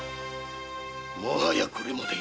もはやこれまで。